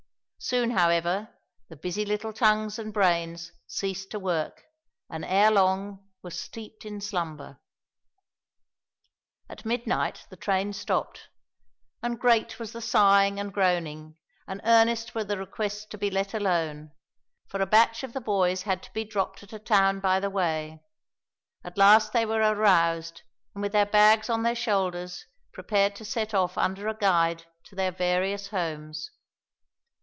Soon, however, the busy little tongues and brains ceased to work, and ere long were steeped in slumber. At midnight the train stopped, and great was the sighing and groaning, and earnest were the requests to be let alone, for a batch of the boys had to be dropped at a town by the way. At last they were aroused, and with their bags on their shoulders prepared to set off under a guide to their various homes.